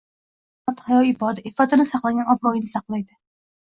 Ayolning hurmati hayo- iboda. Iffatini saqlagan obro‘yini saqlaydi.